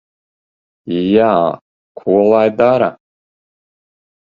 Jā. Ko lai dara?